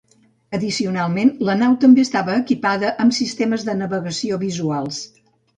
Addicionalment, la nau també estava equipada amb sistemes de navegació visuals.